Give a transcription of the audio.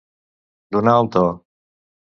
Donar el to.